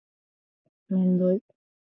めんどい